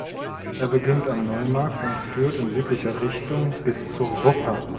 Er beginnt am Neumarkt und führt in südlicher Richtung bis zur Wupper.